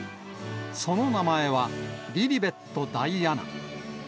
その名前は、リリベット・ダイアナ。